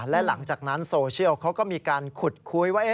และหลังจากนั้นโซเชียลเขาก็มีการขุดคุยว่า